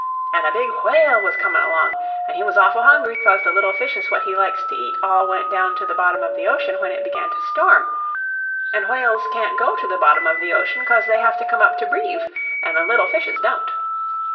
An' a big whale was comin' along, and he was awful hungry, cos the little fishes what he likes to eat all went down to the bottom of the ocean when it began to storm, and whales can't go to the bottom of the ocean, cos they have to come up to breeve, an' little fishes don't.